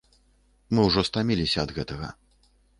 Мы ўжо стаміліся ад гэтага.